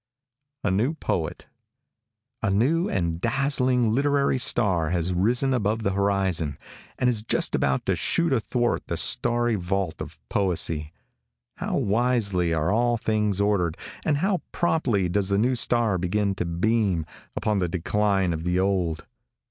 A NEW POET. |A NEW and dazzling literary star has risen above the horizon, and is just about to shoot athwart the starry vault of poesy. How wisely are all things ordered, and how promptly does the new star begin to beam, upon the decline of the old.